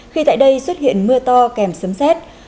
khi tại đây xuất hiện mưa to kèm sấm xét